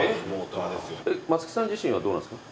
松木さん自身はどうなんですか？